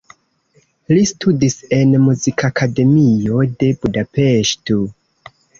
Li studis en Muzikakademio de Budapeŝto.